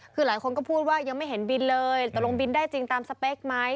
คือหลายคนก็พูดว่ายังไม่เห็นบินเลยตกลงบินได้จริงตามสเปคไหม